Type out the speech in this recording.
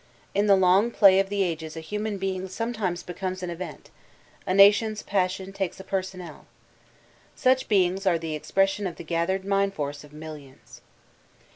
In the long play of the ages a human being sometimes be comes an event; a nation's passion takes a personnel. Such beings are the expression of the gathered mind force of millions.